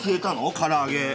からあげ。